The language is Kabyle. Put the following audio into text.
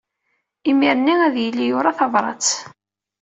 Imir-nni ad yili yura tabṛat.